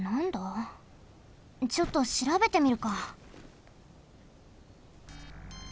ちょっとしらべてみるか。